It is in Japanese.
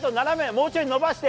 もうちょい伸ばして。